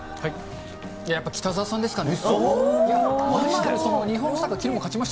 やっぱり北澤さんですかね。